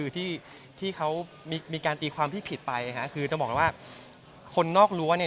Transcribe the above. ที่ที่เขามีการตีความที่ผิดไปค่ะคือจะบอกแล้วว่าคนนอกรั้วเนี่ย